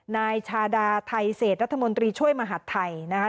นายชาดาไทเศษรัฐมนตรีช่วยมหาดไทยนะคะ